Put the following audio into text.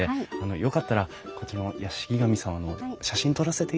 よかったらこっちの屋敷神様の写真撮らせていただいても。